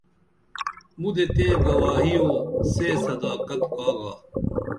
مُدے تئیں گواہی اُو سے صداقت کا گا